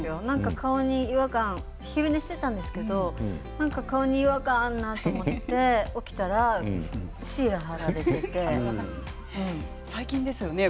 顔に何か違和感昼寝をしていたんですけれども顔に違和感があるなと思って起きたらシールを貼られていて。